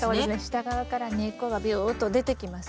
下側から根っこがビューッと出てきます。